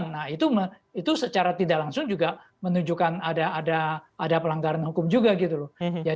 nah itu secara tidak langsung juga menunjukkan ada pelanggaran hukum juga gitu loh